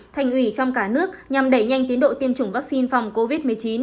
thành ủy trong cả nước nhằm đẩy nhanh tiến độ tiêm chủng vaccine phòng covid một mươi chín